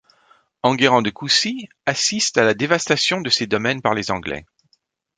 Enguerrand de Coucy assiste à la dévastation de ses domaines par les Anglais.